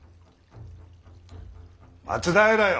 松平よ